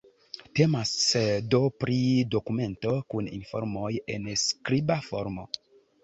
Temas do pri dokumento kun informoj en skriba formo.